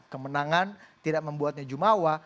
kemenangan tidak membuatnya jumawa